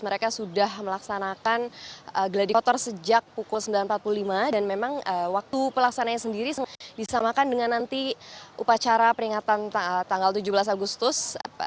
mereka sudah melaksanakan gladi kotor sejak pukul sembilan empat puluh lima dan memang waktu pelaksananya sendiri disamakan dengan nanti upacara peringatan tanggal tujuh belas agustus